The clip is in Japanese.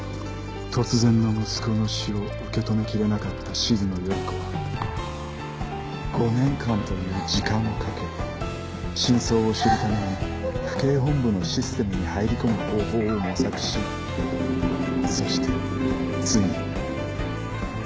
突然の息子の死を受け止めきれなかった静野順子は５年間という時間をかけ真相を知るために府警本部のシステムに入り込む方法を模索しそしてついに